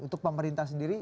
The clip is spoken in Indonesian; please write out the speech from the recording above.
untuk pemerintah sendiri